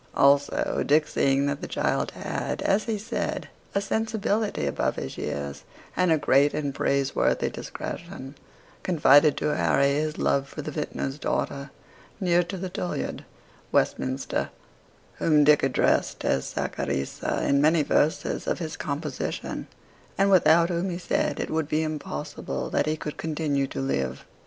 Also, Dick seeing that the child had, as he said, a sensibility above his years, and a great and praiseworthy discretion, confided to Harry his love for a vintner's daughter, near to the Tollyard, Westminster, whom Dick addressed as Saccharissa in many verses of his composition, and without whom he said it would be impossible that he could continue to live.